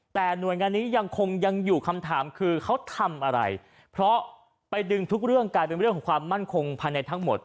แต่หน่วยงานนี้ยังคงยังอยู่คำถามคือเขาทำอะไรเพราะไปดึงทุกเรื่องกลายเป็นเรื่องของความมั่นคงภายในทั้งหมด